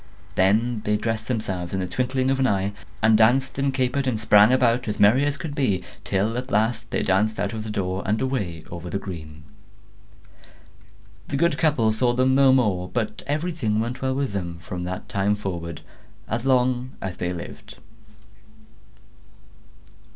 Then they dressed themselves in the twinkling of an eye, and danced and capered and sprang about, as merry as could be; till at last they danced out at the door, and away over the green. The good couple saw them no more; but everything went well with them from that time forward, as long as they lived.